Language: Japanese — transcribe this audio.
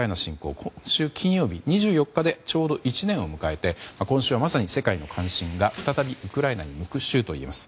今週金曜日、２４日でちょうど１年を迎えて今週はまさに、世界の関心がウクライナに向く週といえます。